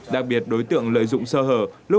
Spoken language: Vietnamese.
đặc biệt đối tượng lợi dụng sơ hở